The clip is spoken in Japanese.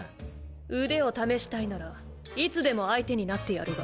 腕を試したいならいつでも相手になってやるが。